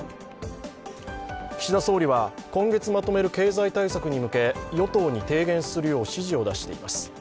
岸田総理は今月まとめる経済対策に向け与党に提言するよう指示を出しています。